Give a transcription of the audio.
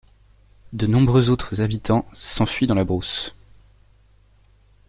De nombreux autres habitants s'enfuient dans la brousse.